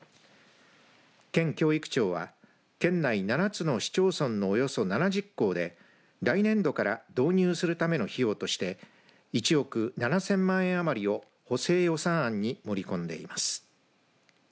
県教育庁は県内７つの市町村のおよそ７０校で来年度から導入するための費用として１億７０００万円余りを補正予算案に盛り込んでいます。